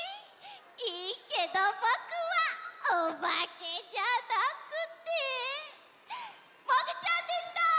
いいけどぼくはおばけじゃなくてもぐちゃんでした！